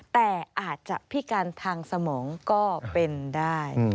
แต่อาจจะพิการทางสมองก็เป็นได้